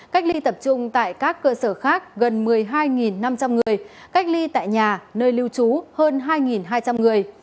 cách ly tập trung tại các cơ sở khác gần một mươi hai năm trăm linh người cách ly tại nhà nơi lưu trú hơn hai hai trăm linh người